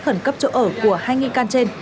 khẩn cấp chỗ ở của hai nghị can trên